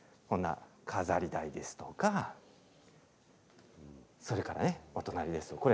飾り台ですとかそれからお隣ですね。